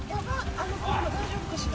あの車、大丈夫かしら。